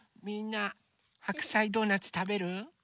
みんなはくさいドーナツたべる？